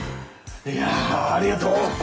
いやありがとう。